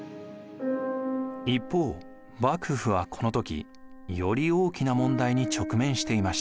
一方幕府はこの時より大きな問題に直面していました。